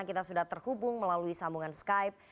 kita sudah terhubung melalui sambungan skype